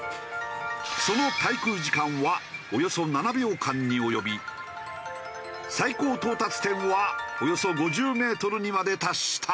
その滞空時間はおよそ７秒間に及び最高到達点はおよそ５０メートルにまで達した。